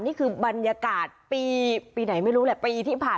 นี่คือบรรยากาศปีไหนไม่รู้แหละปีที่ผ่าน